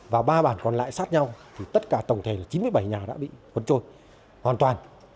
và ba bản còn lại sát nhau thì tất cả tổng thể là chín mươi bảy nhà đã bị cuốn trôi hoàn toàn